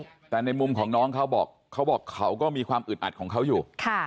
แต่ในมุมของน้องเขาบอกเขาบอกเขาก็มีความอึดอัดของเขาอยู่ค่ะ